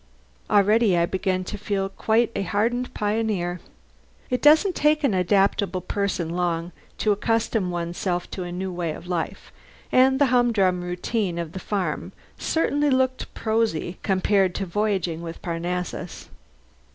Already I began to feel quite a hardened pioneer. It doesn't take an adaptable person long to accustom one's self to a new way of life, and the humdrum routine of the farm certainly looked prosy compared to voyaging with Parnassus.